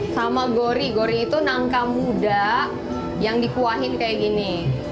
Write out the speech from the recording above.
sama gori gori itu nangka muda yang dikuahin kayak gini